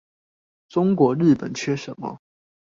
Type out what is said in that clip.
中國日本缺什麼